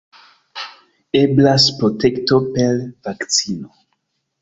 Eblas protekto per vakcino.